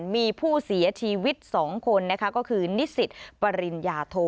มีผู้เสียชีวิต๒คนนะคะก็คือนิสิตปริญญาโท